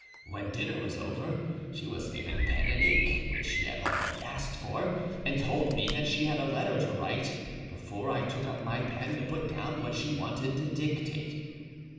When dinner was over, she was given pen and ink, which she had already asked for, and told me that she had a letter to write before I took up my pen to put down what she wanted to dictate."